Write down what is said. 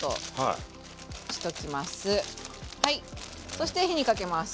そして火にかけます。